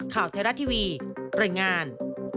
ข่าวเทราะทีวีรายงาน